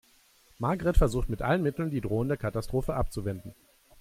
Margret versucht mit allen Mitteln, die drohende Katastrophe abzuwenden.